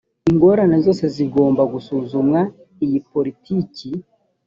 ingorane zose zigomba gusuzumwa iyi politiki